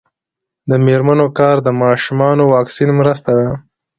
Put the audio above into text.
د میرمنو کار د ماشومانو واکسین مرسته ده.